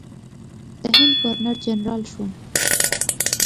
د هند ګورنر جنرال شوم.